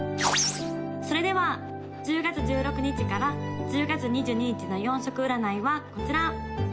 ・それでは１０月１６日から１０月２２日の４色占いはこちら！